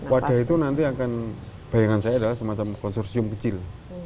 wadah itu nanti akan bayangan saya adalah semacam konsorsium kecil